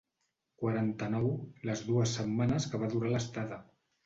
Quaranta-nou les dues setmanes que va durar l'estada.